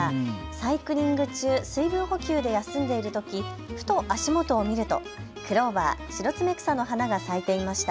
サイクリング中、水分補給で休んでいるとき、ふと足元を見るとクローバー、シロツメクサの花が咲いていました。